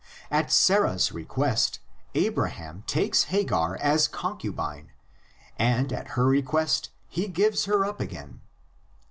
At Sarah's request Abraham takes Hagar as concubine and at her request he gives her up again.